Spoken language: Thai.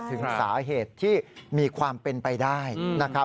ถึงสาเหตุที่มีความเป็นไปได้นะครับ